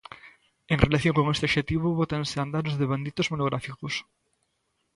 En relación con este obxectivo bótanse a andar os devanditos monográficos.